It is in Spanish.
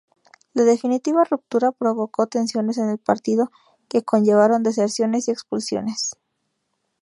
La definitiva ruptura provocó tensiones en el partido que conllevaron deserciones y expulsiones.